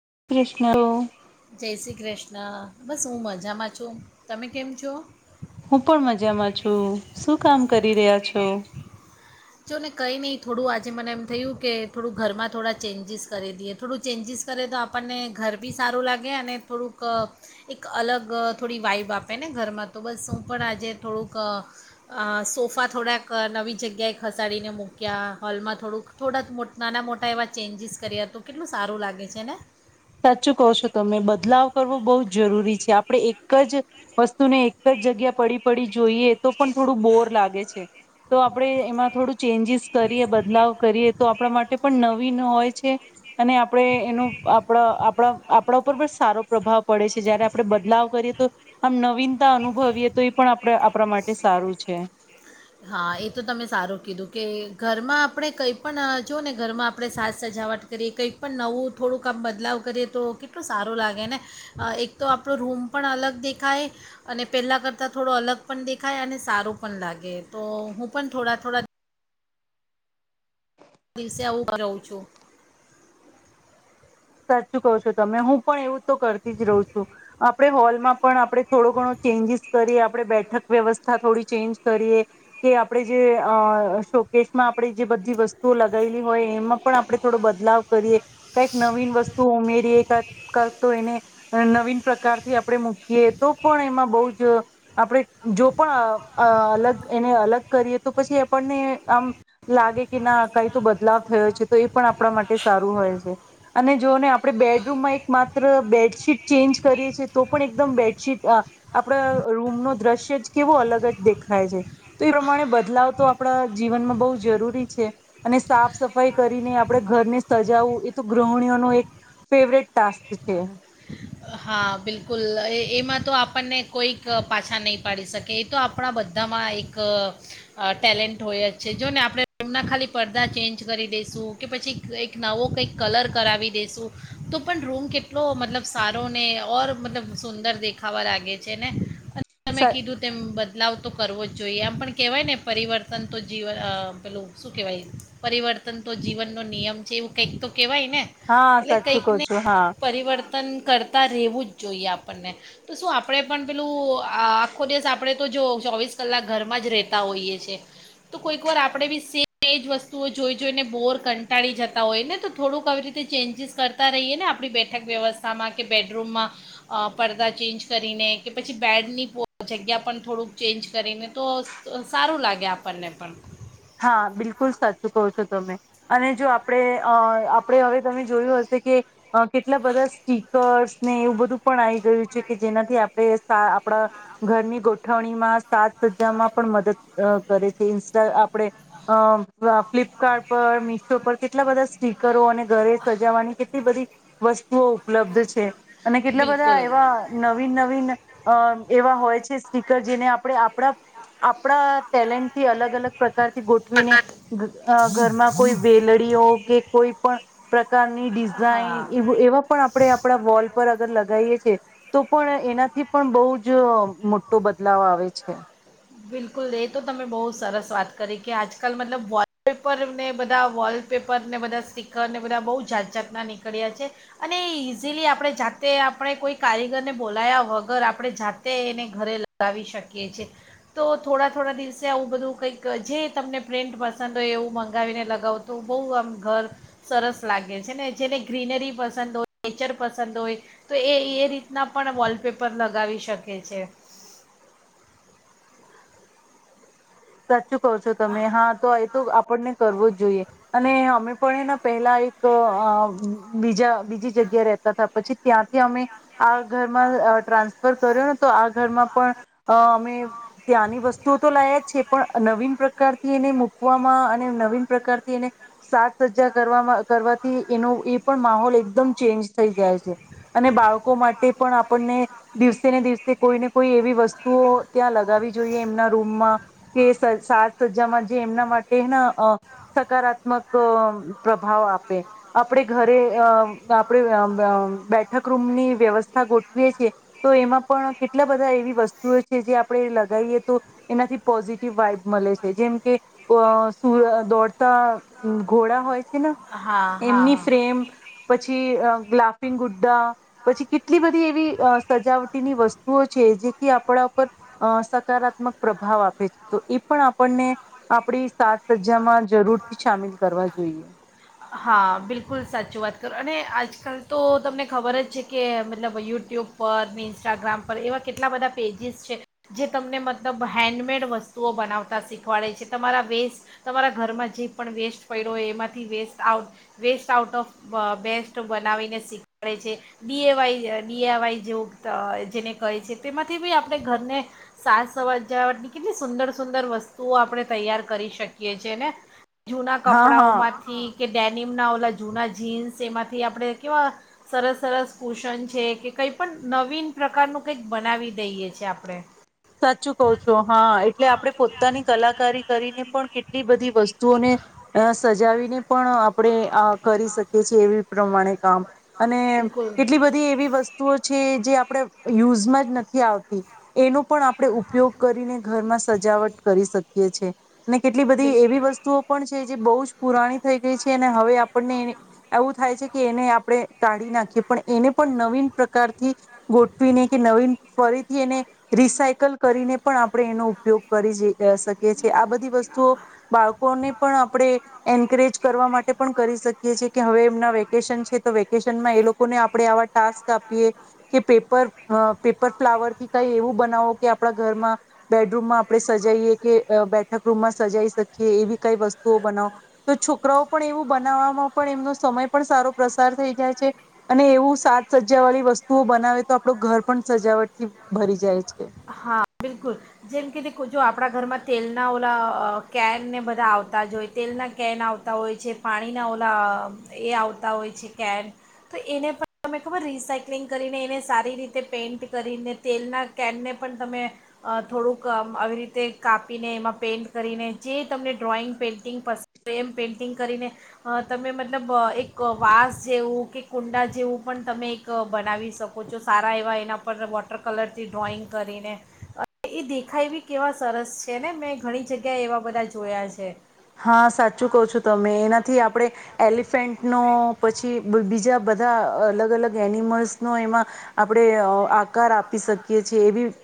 કૃષ્ણ ના. બસ હું મજામાં છું. તમે કેમ છો? હું પણ મજામાં છું. શું કામ કરી રહ્યા છો? જો ને કંઈ નહીં થોડું આજે મને એમ થયું કે થોડા ઘરમાં થોડા ચેન્જીસ કરી દઈએ, થોડું ચેન્જીસ કરે તો આપણને ઘર બી સારું લાગે અને થોડુંક એક અલગ થોડી વાઈબ આપે ને ઘરમાં તો બસ. હું પણ આજે થોડુંક સોફા થોડાક નવી જગ્યાએ ખસાડીને મૂક્યા હોલમાં થોડુંક થોડાક મોટ નાના મોટા એવા ચેન્જીસ કર્યા તો કેટલું સારું લાગે છે ને. સાચું કો છો તમે બદલાવ કરવો બહુ જ જરૂરી છે. આપણે એક જ વસ્તુને એક જ જગ્યા પડી પડી જોઈએ તો પણ થોડું બોર લાગે છે તો આપણે એમાં થોડું ચેન્જીસ કરીએ બદલાવ કરીએ તો આપણા માટે પણ નવીન હોય છે. અને આપડે એનું આપ આપણા આપણા ઉપર પણ સારો પ્રભાવ પડે છે, જયારે આપણે બદલાવ કરીએ તો આમ નવીનતા અનુભવીએ તો એ પણ આપણે આપણા માટે સારું છે. હા, એ તો તમે સારું કીધું કે ઘરમાં આપણે કંઈ પણ જોઓ ને ઘરમાં આપણે સાજ સજાવટ કરીએ કંઈ પણ નવું થોડુંક આામ બદલાવ કરીએ તો કેટલું સારું લાગે ને એક તો આપણો રૂમ પણ અલગ દેખાય અને પહેલાં કરતાં થોડો અલગ પણ દેખાય અને સારું પણ લાગે. તો હું પણ થોડા થોડા આ દિવસે આવું કરું છું. સાચું કહો છો તમે હું પણ એવું તો કરતી જ રહું છું. આપણેે હોલમાં પણ આપણે થોડો ઘણો ચેન્જીસ કરીએ આપડણે બેઠક વ્યવસ્થા થોડી ચેન્જ કરીએ કે આપણે જે શોકેશમાં આપણે જે બધી વસ્તુઓ લગાવેલી હોય એમાં પણ આપણે થોડો બદલાવ કરીએ. કઈક નવી વસ્તુ ઉમેરીએ ક કક તો એને નવીન પ્રકારથી આપણે મૂકીએ તો પણ એમાં બહુ જ આપણે જો પણ અલગ એને અલગ કરીએ તો પછી આપણને આમ લાગે કે ના કઈ તો બદલાવ થયો છે તો એ પણ આપણા માટે સારું હોય છે. અને જોને આપણે બેડરૂમમાં એકમાત્ર બેડશીટ ચેન્જ કરીએ છીએ તો પણ એકદમ બેડશીટ આપણા રૂમ નો દ્રશ્ય જ કેવો અલગ જ દેખાય છે, તો એ પ્રમાણે બદલાવ તો આપણા જીવનમાં બહુ જરૂરી છે અને સાફ સફાઈ કરીને આપણે ઘરને સજાવું એ તો ગૃહિણીઓનો એક ફેવરેટ ટાસ્ક છે. હા. બિલકુલ. એ એમાં તો આપણને કોઈક પાછા નહીં પાડી શકે, એ તો આપણા બધામાં એક ટેલેન્ટ હોય જ છે, જો ને આપણે રૂમના ખાલી પડદા ચેન્જ કરી દઈશું, કે પછી કંઈક નવો કંઈક કલર કરાવી દઈશું તો પણ રૂમ કેટલો મતલબ સારો ઓર મતલબ સુંદર દેખાવા લાગે છે ને. તમે કીધું તેમ બ લાવ તો કરવો જ જોઈએ. આમ પણ કહેવાય ને પરિવર્તન તો જીવન પેલું શું કહેવાય પરિવર્તન તો જીવનનો નિયમ છે એવું કંઈક તો કહેવાય ને હા એટલે સાચું કહ છું કંઈકને હા પરિવર્તન કર તાર રહેવું જો એ આપણને તો શું આપણે પણ પેલું આ આખો દિવસ આપણે તો જો ચોવીસ કલાક ઘરમાં જ રહેતા હોઈએ છીએ. તો કોઈક વાર આપણે બી સેમ એજ વસ્તુઓ જોઈ જોઈને બોર કંટાળી જતા હોય ને તો થોડુંક આવી રીતે ચેન્જીસ કરતા રહીએ ને આપણી બેઠક વ્યવસ્થામાં કે બેડરૂમમાં અ પડદા ચેન્જ કરીને, કે પછી બેડની જગ્યા પણ થોડુંક ચેન્જ કરીને, તો સ સારું લાગે આપણને પણ હા. બિલકુલ સાચું કહો છો તમે અને જો આપણે અ આપણે હવે તમે જોયું હશે કે, અ કેટલા બધા સ્ટીકર્સ ને એવું બધું પણ આવી ગયું છે કે જેનાથી આપણે આપણા ઘરની ગોઠવણીમાં સાજ સજામાં પણ મદદ અ કરે છે ઇન્સ્ટ આપ પડે અ ફલા ફ્લિપકાર્ટ પર, મીશો પર કેટલા બધા સ્ટીકરો અને ઘરે સજાવાની કેટલી બધી વસ્ હો ઉપલબ્ધ છે. અને કેટલા બધા બિલકુલ એવા નવીન નવીન અ એવા હોય છે, સ્ટીકર જેને આપણે આપ આપણા આપણા ટેલેન્ટથી અલગ અલગ પ્રકારથી ગોઠવીને અ ઘરમાં કોઈ વેલડીઓ કે કોઈ પણ પ્ર પ્રકારની ડિઝાઇન હા એવા પણ આપણે આપણા વોલ પર અગર લગાવએ છીએ. તો પણ એનાથી પણ બહુ જ મોટો બદલાવ આવે છે. બિલકુલ. એ તો તમે બહુ સરસ વાત કરી કે આજકાલ મતલબ વોલપેપરને બધા વોલપેપરને બધા સ્ટીકરને બધા બહુ જાત જાતના નીકળ્યા છે અને ઇઝીલી આપણે જાતે આપણે કોઈ કારીગરને બોલાયા વગર આપણે જાતે એને ઘરે લગાવી શકીએ છીએ. તો થોડા થોડા દિવસે આવું બધું કંઈક જે તમને પ્રિન્ટ પસંદ હોય એવું મંગાવીને લગાવું તો બહુ આમ ઘર સરસ લાગે છે, ને જેને ગ્રીનરી પસંદ હોય, નેચર પસંદ હોય, તો એ એ રીતના પણ વોલપેપર લગાવી શકે છે. સત શું કો છો તમે? હા તો તો આપણને કરવો જ જોઈએ. અને અમે પણ એને પહેલા એક બીજા બીજી જગ્યા રેતા હતા. પછી ત્યાંથી અમે આ ઘરમાં ટ્રાન્સફર કર્યો ને તો આ ઘરમાં પણ અમે ત્યાંની વસ્તુઓ તો લાયા છે. પણ નવીન પ્રકારથી એને મૂકવામાં અને નવીન પ્રકારથી એને સાજ સજ્જા કરવામાં કરવાથી, એનો એ પણ માહોલ એકદમ ચેન્જ થઈ જાય છે. અને બાળકો માટે પણ આપણને દિવસે ને દિવસે કોઈને કોઈ એવી વસ્તુઓ ત્યાં લગાવવી જોઈએ એમના રૂમમાં. કે સજ સાજ સજ્જામાં જે એમના માટેના અ સકારાત્મક પ્રભાવ આપે. આપણે ઘરે અ આપણે અ બેઠક રૂમની વ્યવસ્થા ગોઠવીએ છેએ તો એમાં પણ કેટલા બધા એવી વસ્તુઓ છે જે આપણે લગાઇએ તો એનાથી પોઝિટિવ વાઈબ મલે છે. જેમ કે, સુર દોડતા ઘોડા હોય હા [unintelligible] એમની હા ફ્રેમ પછી પછી અ લાફિંગ ગુ્ડા, પછી કેટલી બધી એવી અ સજાવટીની વસ્તુઓ છે જેથી આપણા ઉપર અ સકારાત્મક પ્રભાવ આપે. તો એ પણ આપણને આપડી સાજ સજ્જામાં જરૂરથી સામેલ કરવા જોઈએ. હા બિલકુલ સાચું વાત કરો અને આજકાલ તો તમને ખબર જ છે કે મતલબ યુટ્યુબ પર ને ઇન્સ્ટાગ્રામ પર એવા કેટલા બધા પેજીસ છે જે તમને મતલબ હેન્ડમેડ વસ્તુઓ બનાવતા શીખવાડે છે. તમારા વેસ્ટ, તમારા ઘરમાં જે પણ વેસ્ટ પડ્યો હોય એમાંથી waste out waste out of best બનાવીને શીખવાડે છે, ડીએ વાય ડીએ વાય જેવ જેને કહે છે તેમાંથી બી આપણે ઘરને સાજ સવા જાવટની કેટલી સુંદર સુંદર વસ્તુઓ આપણે તૈયાર કરી શકીએ છે ને? જૂના હા કપડાઓ હા માંથી કે ડેનિમના ઓલા જૂના જીન્સ એમાંથી આપણે કેવા સરસ સરસ કુશન છે કે કંઈ પણ નવીન પ્રકારનું કંઈક બનાવી દઈએ છીએ આપણે. સાચું કહ છો હા. એટલે આપડે પોતાની કલાકારી કરીને પણ કેટ લી બધી વસ્તુઓને સજાવીને પણ આપણે આ કરી શકીએ છીએ એવી પ્રમાણે કામ. અને બિલકુલ કેટલી બધી એવી વસ્ત વસ્તુઓ છે જે આપણે યુઝમાં જ નથી આવતી એનું પણ આપણે ઉપયોગ કરીને ઘરમાં સજાવટ કરી શકીએ છે. ને કેટલી બધી બિલકુલ એવી વસ્તુઓ પણ છે જે બહુ જ પુરાણી થઈ ગઈ છે અને હવે આપણને એવું થાય છે કે એને આપણે કાઢી નાખીએ, પણ એને પણ નવીન પ્રકારથી ગોઠવીને કે નવીન ફરીથી એને રિસાયકલ કરીને પણ આપણે એનો ઉપયોગ કરી શકીએ છીએ. આ બધી વસ્તુઓ બાળકોને પણ આપણે એન્કરેજ કરવા માટે કરી શકીએ કે હવે એમના વેકેશન છે તો વેકેશનમાં એ લોકોને આપણે આવા ટાસ્ક આપીએ કે પેપર પેપર ફ્લાવર થી કઇ એવું બનાવો કે આપણા ઘરમાં બેડરૂમમાં આપણે સજાઈએ કે બેઠક રૂમમાં સજાઈ શકીએ. એવી કઈ વસ્તુઓ બનાવો તો છોકરાઓ પણ એવું બનાવવામાં પણ એમનો સમય પણ સારો પ્રસાર થઈ જાય છે અને એવું સાત સજા વાળી વસ્તુઓ બનાવે તો આપડુ ઘર પણ સજાવટથી ભરી જાય. છે. હા બિલકુલ. જેમ કે, જો આપણા ઘરમાં તેલના ઓલા કેનને બધા આવતા જ હોય તેલના કેન આવતા હોય છે, પાણીના ઓલા એ આવતા હોય છે કેન તો એને પણ તને ખબર રિસાયક્લિંગ કરીને એને સારી રીતે પેઇન્ટ કરીને તેલના કેનને પણ તમે થોડુંક આવી રીતે કાપીને એમાં પેઇન્ટ કરીને જે તમને ડ્રોઈંગ પેઇન્ટિંગ પસંદ એમ પેઇન્ટિંગ કરીને તમે મતલબ એક વાસ જેવું કે કુંડા જેવું પણ તમે એક બનાવી શકો છો સારા એવા એના પર વોટર કલરથી ડ્રોઈંગ કરીને એ દેખાય બી કેવા સરસ છે ને મેં ઘણી જગ્યાએ એવા બધા જોયા છે. હા સાચું કહો છો તમે એનાથી આપણે એલિફન્ટનું પછી બીજા બધા અલગ અલગ એનિમલસનો એમાં આપણેે આકાર આપી શકીએ છીએ. એવી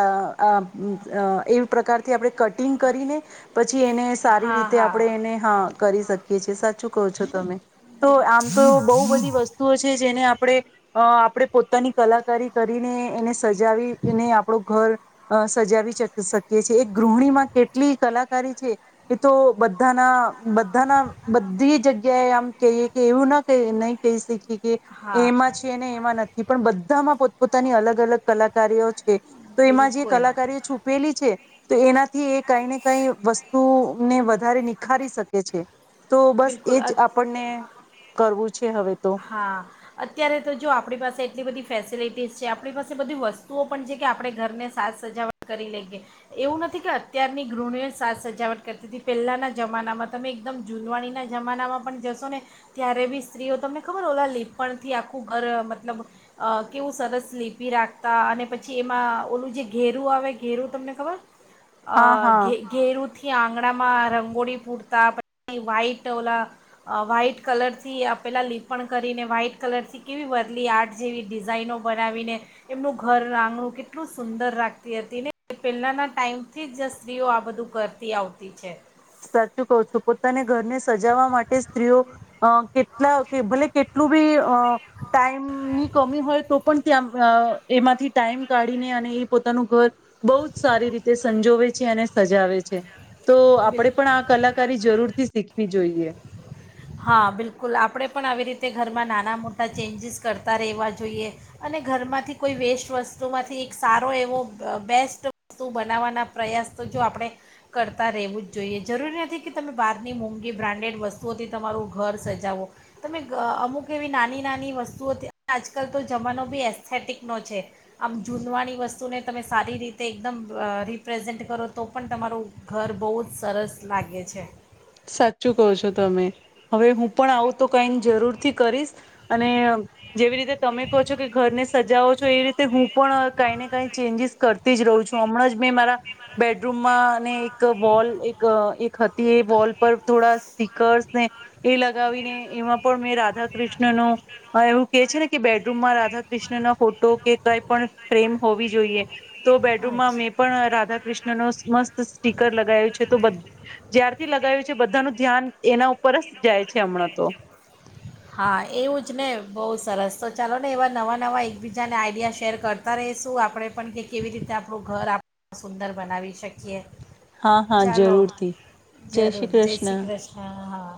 અ એવી પ્રકારથી આપણે કટિંગ કરીને પછી એને સારી હા રીતે હા આપણે એને હા કરી શકીએ છેએ સાચું કહો છો તમે. તો આમ તો એવુ બહુ બધી વસ્તુઓ છે જેને આપણે અ આપણે પોતાની કલાકારી કરીને એને સજાવીને આપડો ઘર સજાવી શકીએ છીએ, એક ગૃહિણીમાં કેટલી કલાકારી છે. એ તો બધાના બધાના બધી જગ્યાએ આમ કહીએ કે એવું ના નહી કહી શીખી. હા કે એમાં છે ને એમાં નથી પણ બધામાં પોત પોતાની અલગ અલગ કલાકારઓ છ તો એમાં જે બિલકુલ કલાકારી છુપેલી છે તો એના થી એ કઈ ને કઈ વસ્ત તુંને વધારે નિખારી શકે છે. તો બસ બિલકુલ એજ આપણને કરવું છે હવે તો હા અત્યારે તો જો આપણી પાસે એટલી બધી ફેસિલિટીઝ છે આપણી પાસે બધી વસ્તુઓ પણ છે કે આપણે ઘરને સાસ સજાવટ કરી લઈએ એવું નથી કે અત્યારની ગૃહણીઓએ સાસ સજાવટ કરતી હતી પહેલાના જમાનામાં તમે એકદમ જૂનવાણી ના જમાનામાં પણ જશો ને ત્યારે બી સ્ત્રીઓ તમને ખબર ઓલા લીપણ થી આખું ઘર મતલબ કેવું સરસ લીપી રાખતા અને પછી એમાં ઓલું જે ઘેરું આવે ઘેરું તમને ખબર હા હા ઘે ઘેરુથી થી આંગણામાં રંગોળી પૂરતા પછી વ્હાઈટ ઓલા વ્હાઈટ કલરથી આ પેલા લીપણ કરીને વ્હાઈટ કલરથી કેવી વદલી આર્ટ જેવી ડિઝાાઈનો બનાવીને એમનું ઘર આંગણું કેટલું સુંદર રાખતી હતી ને પહેલાના ટાઈમથી જ સ્ત્રીઓ આ બધું કરતી આવતી છે. સાચું કહું છો પોતાને ઘરને સજાવવા માટે સ્ત્રીઓ કેટલા કે ભલે કેટલું બી અ ટાઈમ ની કમી હોય તો પણ ત્યાં અ એમાંથી ટાઈમ કાઢીને અને એ પોતાનું ઘર બહુ જ સારી રીતે સંજોવે છે અને સજાવે છે તો આપે બિલકુલ પણ આ કલાકારી જરૂરથી શીખવી જોઈએ. હા બિલકુલ આપણે પણ આવી રીતે ઘરમાં નાના મોટા ચેન્જીસ કરતા રહેવા જોઈએ અને ઘરમાંથી કોઈ વેસ્ટ વસ્તુમાંથી સારો એવો બેસ્ટ વસ્તુ બનાવવાના પ્રયાસ તો જો આપણે કરતા રહેવું જ જોઈએ જરૂરી નથી કે તમે બહારની મોંઘી બ્રાન્ડેડ વસ્તુઓ થી તમારું ઘર સજાવો તમે અમુક એવી નાની નાની વસ્તુઓ આજકાલ તો જમાનો બી એસથેટિકનો છે આમ જૂનવાની વસ્તુને તમે સારી રીતે એકદમ રિપ્રેઝેન્ટ કરો તો પણ તમારું ઘર બહુ જ સરસ લાગે છે. સાચું કહો છો તમે હવે હું પણ આવું તો કઈ જરૂર થી કરીશ અને જેવી રીતે તમે કહો છો કે ઘરને સજાવો છો એવી રીત તે હું પણ કઈને કઈ ચેન્જજીસ કર તેજ રહું છું હમણાં જ મેં મારા બેડરૂમમાં ને એક વોલ એક એક હતી એ વોલ પર થોડા સ્ટીકર્સ ને એ લગાવીને એમાં પણ મેં રાધા કૃષ્ણ નુ એવું કે છે ને કે બેડરૂમમાં રાધા કૃષ્ણના ફોટો કે કઈ પણ ફ્રેમ હોવી જોઈએ. તો બેડરૂમમાં મેં પણ રાધાકૃષ્ણ નો મસ્ત સ્ટીકર લગાવું છે તો બધ જ્યારથી લગાવી છ બધાનું ધ્યાન એના ઉપર જ જાય છે હમણાં તો. હા એવું જ ને બહુ સરસ તો ચાલો ને એવા નવા નવા એકબીજાને આઈડિયા શેર કરતા રેશું આપણે પણ કે કેવી રીતે આપણું ઘર આપ સુંદર બનાવી શકીએ. હા હા ચાલો જરૂરથી જરૂર જય શ્રી કૃષ્ણ હા.